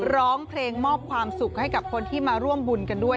ร้องเพลงมอบความสุขให้กับคนที่มาร่วมบุญกันด้วย